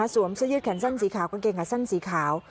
เสื้อยืดแขนสั้นสีขาวกางเกงขาสั้นสีขาว